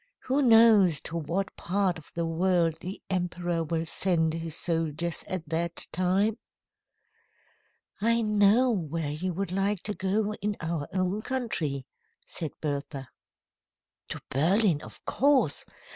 Who knows to what part of the world the emperor will send his soldiers at that time?" "I know where you would like to go in our own country," said Bertha. "To Berlin, of course.